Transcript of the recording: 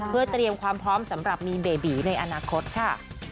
เพื่อเตรียมความพร้อมสำหรับมีเบบีในอนาคตค่ะ